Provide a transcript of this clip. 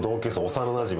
幼なじみ。